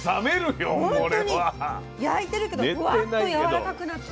ほんとに焼いてるけどふわっとやわらかくなって。